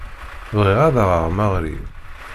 Bɣiɣ ad aɣeɣ Marie.